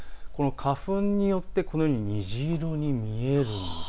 花粉によって虹色に見えるんです。